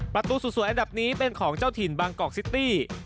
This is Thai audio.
ประตูสวยอันดับนี้เป็นของเจ้าถิ่นบางกอกซิตี้